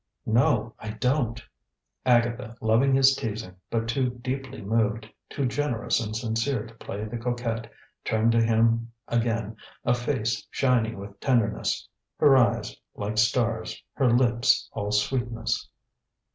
"No, I don't." Agatha, loving his teasing, but too deeply moved, too generous and sincere to play the coquette, turned to him again a face shining with tenderness. Her eyes, like stars; her lips, all sweetness.